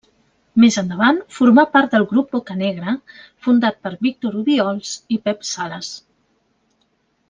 Més endavant formà part del grup Bocanegra, fundat per Víctor Obiols i Pep Sales.